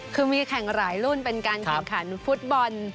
คือมีแข่งหลายรุ่นเป็นการแข่งขันฟุตบอล